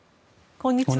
こんにちは。